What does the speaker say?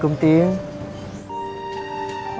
kenapa tidak bisa